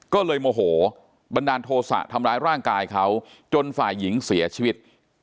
ก็เลยโมโหบันดาลโทษะทำร้ายร่างกายเขาจนฝ่ายหญิงเสียชีวิต